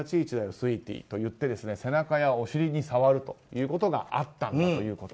スウィーティーと言って背中やお尻に触るということがあったんだということ。